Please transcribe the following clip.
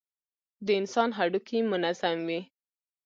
د انسان هډوکى منظم وي.